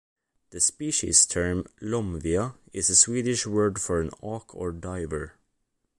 The species term "lomvia" is a Swedish word for an auk or diver.